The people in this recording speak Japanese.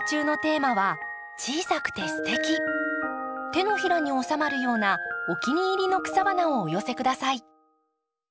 手のひらにおさまるようなお気に入りの草花をお寄せ下さい。